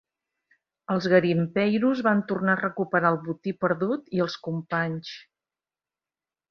Els garimpeiros van tornar a recuperar el botí perdut i els companys.